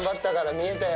見えたよ。